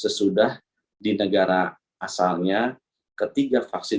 sesudah di negara asalnya ketiga vaksin